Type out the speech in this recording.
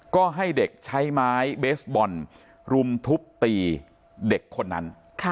ก็ให้เด็กใช้ไม้เบสบอลรุมทุบตีเด็กคนนั้น